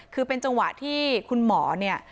คือเป็นจังหวะที่คุณหมอเนี่ย